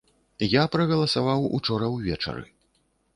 Я прагаласаваў учора ўвечары.